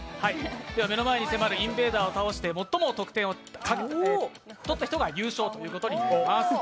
目の前に迫るインベーダーを倒して最も得点を取った人が優勝ということになります。